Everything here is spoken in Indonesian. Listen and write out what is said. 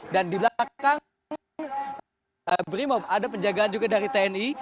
dan di belakang berimob ada penjagaan juga dari tni